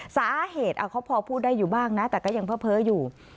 สาเหตุเขาพอพูดได้อยู่บ้างนะแต่ก็ยังเพ้ออยู่